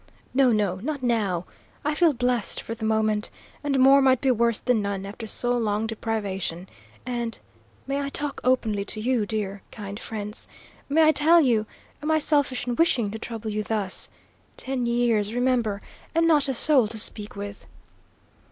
"No, no, not now; I feel blessed for the moment, and more might be worse than none, after so long deprivation. And may I talk openly to you, dear, kind friends? May I tell you am I selfish in wishing to trouble you thus? Ten years, remember, and not a soul to speak with!"